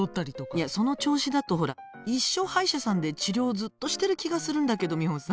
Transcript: いやその調子だとほら一生歯医者さんで治療ずっとしてる気がするんだけどミホさん。